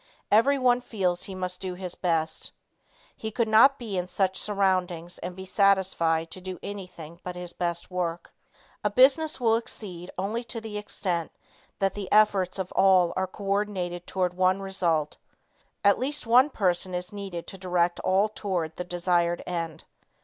Everyone feels he must do his best. He could not be in such surroundings and be satisfied to do anything but his best work. A business will succeed only to the extent that the efforts of all are co ordinated towards one result. At least one person is needed to direct all toward the desired end.